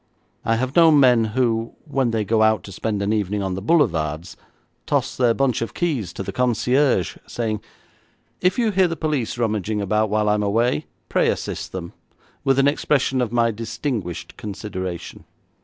I have known men who, when they go out to spend an evening on the boulevards, toss their bunch of keys to the concierge, saying, 'If you hear the police rummaging about while I'm away, pray assist them, with an expression of my distinguished consideration.'